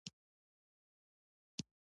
په ځان باور يو چلند او يو احساس دی.